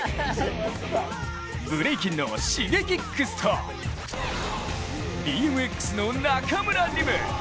ブレイキンのＳｈｉｇｅｋｉｘと、ＢＭＸの中村輪夢。